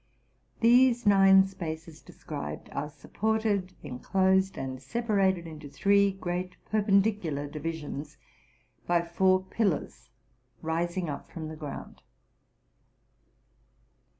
'These nine spaces described are supported, enclosed, and separated into three great perpendicular divisions by four pilliars rising up from the ground.